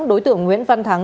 đối tượng nguyễn văn thắng